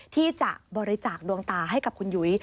ที่จะบริจาคดวงตาให้กับคุณยุ้ย